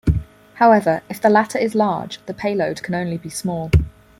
However, if the latter is large, the payload can only be small.